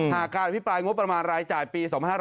แห่งการวิภายงบประมาณรายจ่ายปี๒๕๖๕